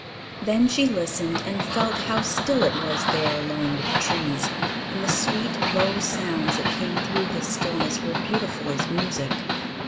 Then she listened, and felt how still it was there alone with the trees; and the sweet, low sounds that came through this stillness were beautiful as music.